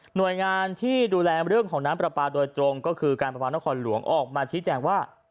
โดยงานที่ดูแลเรื่องของน้ำปลาปลาโดยตรงก็คือการประปานครหลวงออกมาชี้แจงว่า